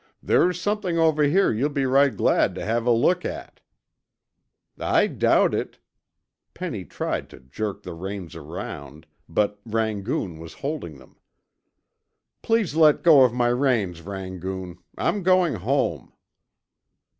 "There's somethin' over here you'll be right glad to have a look at." "I doubt it." Penny tried to jerk the reins around, but Rangoon was holding them. "Please let go of my reins, Rangoon. I'm going home."